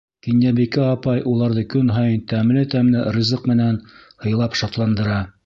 Кинйәбикә апай уларҙы көн һайын тәмле-тәмле ризыҡ менән һыйлап шатландыра.